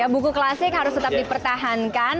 buku klasik harus tetap dipertahankan